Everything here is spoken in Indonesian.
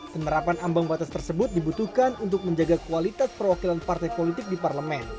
penerapan ambang batas tersebut dibutuhkan untuk menjaga kualitas perwakilan partai politik di parlemen